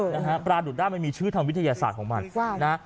นะฮะปลาดุดได้มันมีชื่อทางวิทยาศาสตร์ของมันนะฮะ